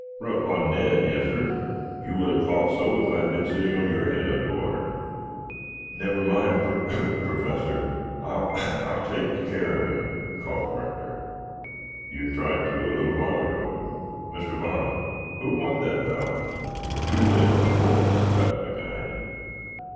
"Rough on Ned, yes, sir. You would have thought so if I'd been sitting on your head under water." "Never mind, Prof Professor. I'll take take care of him," coughed Rector. "You tried to a little while ago. Mr. Vaughn, who won that bout?" "You win on points," laughed the guide.